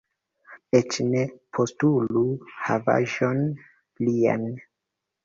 Eĉ ne postulu havaĵon lian.